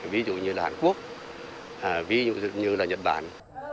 ví dụ như là hàn quốc ví dụ như là nhật bản